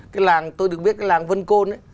cái làng tôi được biết cái làng vân côn